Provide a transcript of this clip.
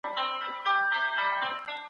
ته ولي حلاله نفقه نه حاصلوې؟